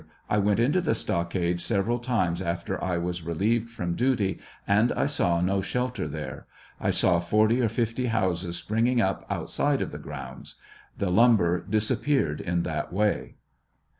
I went into the stockade several times after I was relieved from duty and I saw no shelter there. I saw 40 or 50 houses springing up outside of the grounds. The lumberdis appeared in that way.